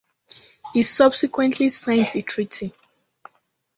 He subsequently signed the treaty.